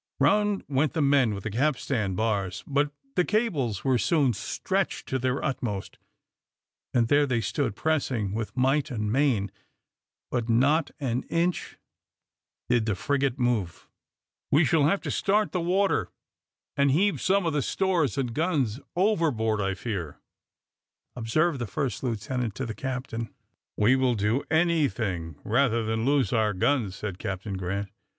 Round went the men with the capstan bars, but the cables were soon stretched to their utmost, and there they stood pressing with might and main, but not an inch did the frigate move. "We shall have to start the water and heave some of the stores and guns overboard, I fear," observed the first lieutenant to the captain. "We will do anything rather than lose our guns," said Captain Grant.